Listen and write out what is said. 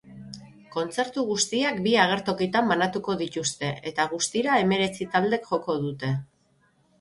Kontzertu guztiak bi agertokitan banatuko dituzte, eta guztira hemeretzi taldek joko dute.